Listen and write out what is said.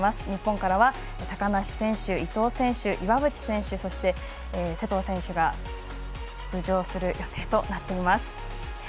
日本からは高梨選手伊藤選手、岩渕選手そして、勢藤選手が出場する予定となっています。